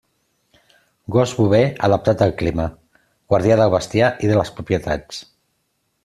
Gos bover adaptat al clima, guardià del bestiar i de les propietats.